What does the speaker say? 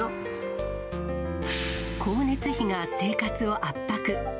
光熱費が生活を圧迫。